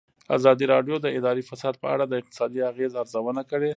ازادي راډیو د اداري فساد په اړه د اقتصادي اغېزو ارزونه کړې.